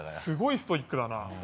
すごいストイックだな。